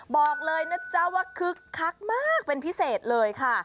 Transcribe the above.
บอกเลยนะจ๊ะว่าคึกคักมากเป็นพิเศษเลยค่ะ